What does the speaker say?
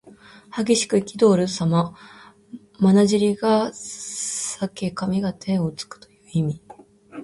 激しくいきどおるさま。まなじりが裂け髪が天をつくという意味。